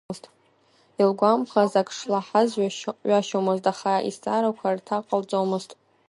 Илгәамԥхаз ак шлаҳаз ҩашьомызт, аха изҵаарақәа рҭак ҟалҵомызт.